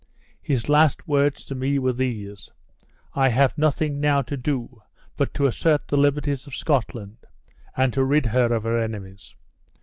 His last words to me were these: 'I have nothing now to do but to assert the liberties of Scotland, and to rid her of her enemies.